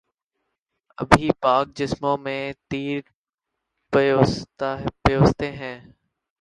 ابھی پاک جسموں میں تیر پیوستہ ہیں